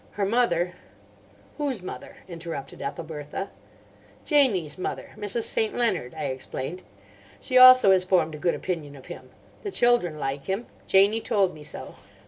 Her mother—" "Whose mother?" interrupted Ethelbertha. "Janie's mother, Mrs. St. Leonard," I explained. "She also has formed a good opinion of him. The children like him. Janie told me so."